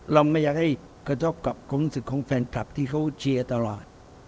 เราไม่อยากให้กระทบกับความรู้สึกของแฟนคลับที่เขาเชียร์ตลอด